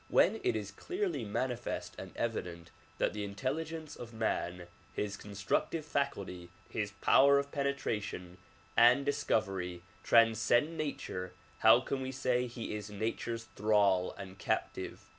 When it is clearly manifest and evident that the intelligence of man, his constructive faculty, his power of penetration and dis covery transcend nature, how can we say he is nature's thrall and captive.